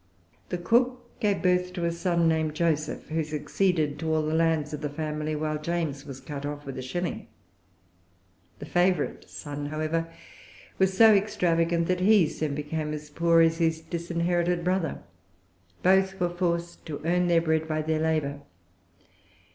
The cook gave birth to a son named Joseph, who succeeded to all the lands of[Pg 334] the family, while James was cut off with a shilling. The favorite son, however, was so extravagant that he soon became as poor as his disinherited brother. Both were forced to earn their bread by their labor.